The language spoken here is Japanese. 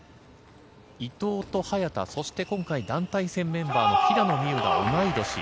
伊藤と早田、そして今回団体戦メンバーの平野美宇が同い年。